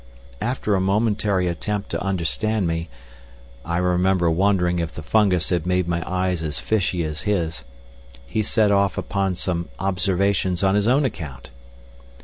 After a momentary attempt to understand me—I remember wondering if the fungus had made my eyes as fishy as his—he set off upon some observations on his own account.